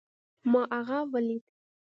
ما هغه وليد